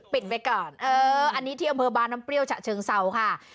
ไว้ก่อนเอออันนี้ที่อำเภอบ้านน้ำเปรี้ยวฉะเชิงเศร้าค่ะ